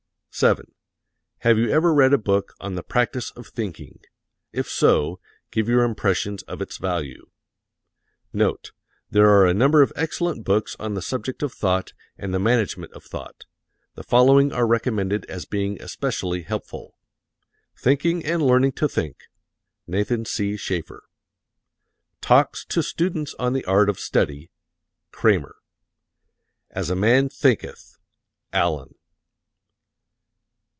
7. Have you ever read a book on the practise of thinking? If so, give your impressions of its value. NOTE: There are a number of excellent books on the subject of thought and the management of thought. The following are recommended as being especially helpful: "Thinking and Learning to Think," Nathan C. Schaeffer; "Talks to Students on the Art of Study," Cramer; "As a Man Thinketh," Allen.